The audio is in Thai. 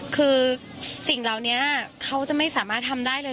คือสิ่งเหล่านี้เขาจะไม่สามารถทำได้เลย